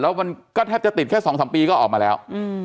แล้วมันก็แทบจะติดแค่๒๓ปีก็ออกมาแล้ว